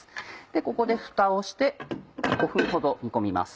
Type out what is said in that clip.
ここでふたをして５分ほど煮込みます。